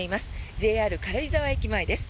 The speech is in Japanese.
ＪＲ軽井沢駅前です。